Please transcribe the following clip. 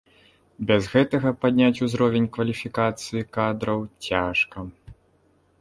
Без гэтага падняць узровень кваліфікацыі кадраў цяжка.